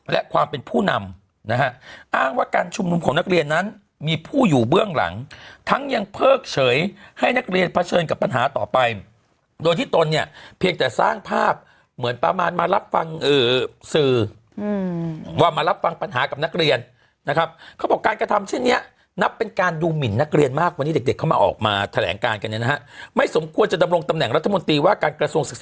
และความเป็นผู้นำนะฮะอ้างว่าการชุมนุมของนักเรียนนั้นมีผู้อยู่เบื้องหลังทั้งยังเพิกเฉยให้นักเรียนเผชิญกับปัญหาต่อไปโดยที่ตนเนี่ยเพียงแต่สร้างภาพเหมือนประมาณมารับฟังสื่อว่ามารับฟังปัญหากับนักเรียนนะครับเขาบอกการกระทำเช่นนี้นับเป็นการดูหมินนักเรียนมากว่านี้เด็กเขามาออกมาแถลงก